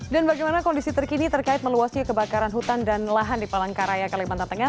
dan bagaimana kondisi terkini terkait meluasnya kebakaran hutan dan lahan di palangkaraya kalimantan tengah